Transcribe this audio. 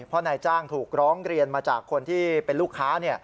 เพราะนายจ้างถูกร้องเรียนมาจากคนที่เป็นลูกค้า